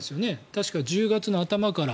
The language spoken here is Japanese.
確か、１０月の頭から。